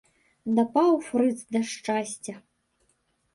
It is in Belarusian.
Дапаў фрыц да шчасця!